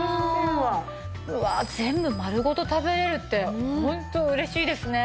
うわ全部丸ごと食べれるってホント嬉しいですね。